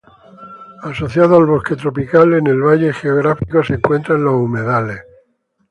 Asociado al bosque tropical en el valle geográfico se encuentran los humedales.